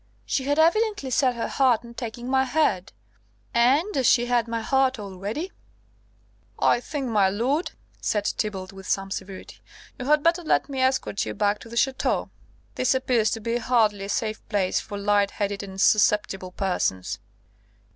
She had evidently set her heart on taking my head; and as she had my heart already " "I think, my lord," said Thibault, with some severity, "you had better let me escort you back to the Ch√¢teau. This appears to be hardly a safe place for light headed and susceptible persons!"